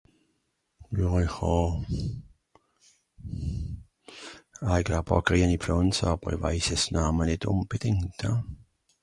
Jo, ìch hàà. (...) Pflànza, àber i weis es (...) ùnbedingt.